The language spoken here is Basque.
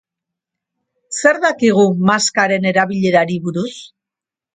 Zer dakigu maskaren erabilerari buruz?